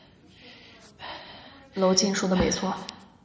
娄敬说的没错。